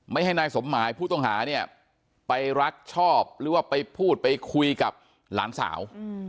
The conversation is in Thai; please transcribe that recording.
ให้นายสมหมายผู้ต้องหาเนี่ยไปรักชอบหรือว่าไปพูดไปคุยกับหลานสาว